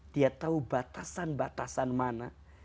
dia tahu batasan batasan mana